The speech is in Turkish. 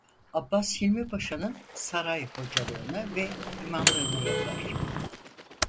Abbas Hilmi Paşa'nın saray hocalığını ve imamlığını yapar.